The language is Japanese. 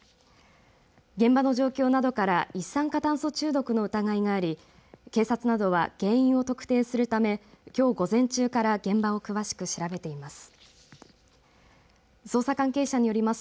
現場の状況などから一酸化炭素中毒の疑いがあり警察などは原因を特定するためきょう午前中から現場を詳しく調べています。